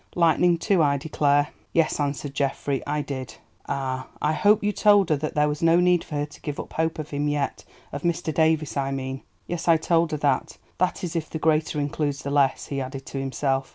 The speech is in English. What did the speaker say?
Lightning, too, I declare." "Yes," answered Geoffrey, "I did." "Ah, I hope you told her that there was no need for her to give up hope of him yet, of Mr. Davies, I mean?" "Yes, I told her that—that is if the greater includes the less," he added to himself.